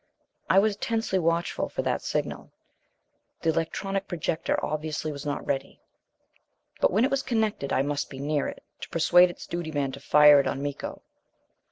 I was tensely watchful for that signal. The electronic projector obviously was not ready. But when it was connected, I must be near it, to persuade its duty man to fire it on Miko.